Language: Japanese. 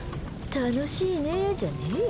楽しいねえじゃねえよ。